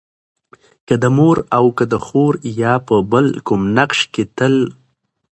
که د مور او که د خور يا په بل کوم نقش کې تل